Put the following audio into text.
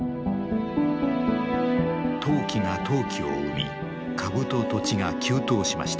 投機が投機を生み株と土地が急騰しました。